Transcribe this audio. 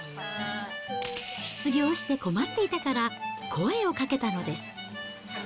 失業して困っていたから声をかけたのです。